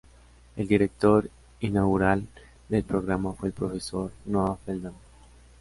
El director inaugural del programa fue el profesor Noah Feldman.